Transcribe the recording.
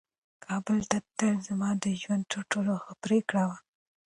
کابل ته تلل زما د ژوند تر ټولو ښه پرېکړه وه.